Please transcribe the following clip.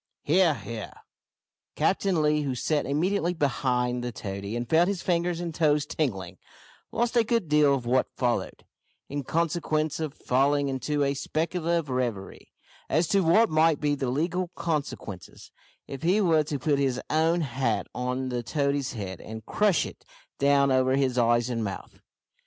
"He ar, he ar!" Captain Lee, who sat immediately behind the toady and felt his fingers and toes tingling, lost a good deal of what followed, in consequence of falling into a speculative reverie, as to what might be the legal consequences, if he were to put his own hat on the toady's head, and crush it down over his eyes and mouth.